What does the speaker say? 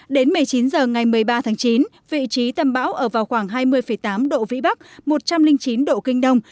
đến một mươi chín h ngày một mươi ba tháng chín vị trí tâm bão ở vào khoảng hai mươi tám độ vĩ bắc một trăm linh chín độ kinh đông